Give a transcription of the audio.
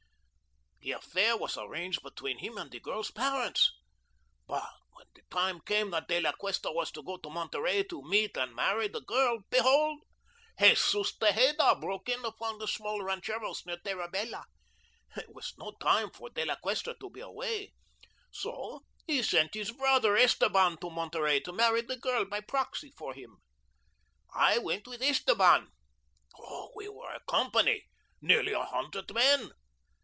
The affair was arranged between him and the girl's parents. But when the time came that De La Cuesta was to go to Monterey to meet and marry the girl, behold, Jesus Tejeda broke in upon the small rancheros near Terrabella. It was no time for De La Cuesta to be away, so he sent his brother Esteban to Monterey to marry the girl by proxy for him. I went with Esteban. We were a company, nearly a hundred men.